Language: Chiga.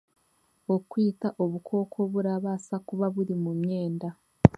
Okwita obukooko oburaabaasa kuba buri mu myenda